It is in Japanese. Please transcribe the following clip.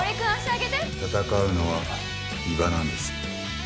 戦うのは伊庭なんです。